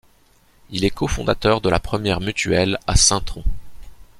Il est cofondateur de la première mutuelle à Saint-Trond.